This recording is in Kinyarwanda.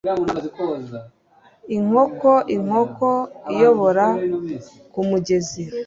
Inkokoinkoko iyobora kumugezi